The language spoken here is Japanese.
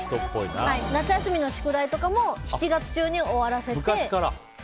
夏休みの宿題とかも７月中に終わらせて。